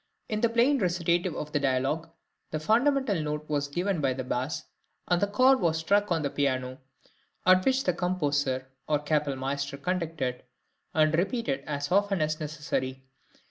In the plain recitative of the dialogue, the fundamental note was given by the bass, and the chord was struck on the piano (at which the composer or kapellmeister conducted) and repeated as often as necessary.